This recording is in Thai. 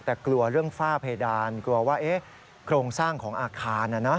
แต่กลัวเรื่องฝ้าเพดานกลัวว่าโครงสร้างของอาคาร